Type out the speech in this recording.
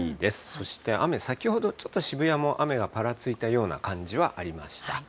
そして雨、先ほどちょっと渋谷も雨がぱらついたような感じはありました。